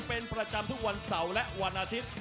เป็นประจำทุกวันเสาร์และวันอาทิตย์